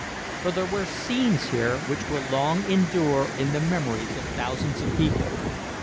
For there were scenes here which will long endure in the memories of thousands of people.